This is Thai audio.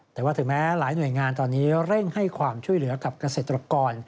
แต่ว่าถึงแม้หลายหน่วยงานตอนนี้เร่งให้ความช่วยเหลือกับเกษตรกร